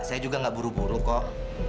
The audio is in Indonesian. saya juga gak buru buru kok